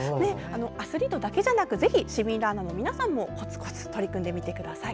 アスリートだけじゃなくぜひ市民ランナーの皆さんもコツコツ取り組んでみてください。